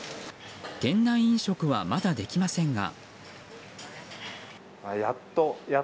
店内飲食はまだできませんが。